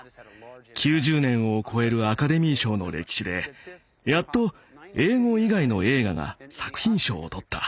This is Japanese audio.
９０年を超えるアカデミー賞の歴史でやっと英語以外の映画が作品賞を取った。